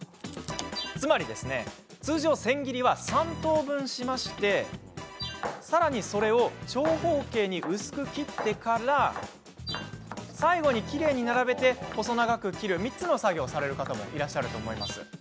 つまりですね通常、千切りは３等分してさらに、それを長方形に薄く切ってから最後に、きれいに並べて細長く切る３つの作業される方もいらっしゃると思います。